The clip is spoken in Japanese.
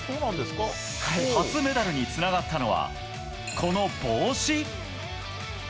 初メダルにつながったのはこの帽子。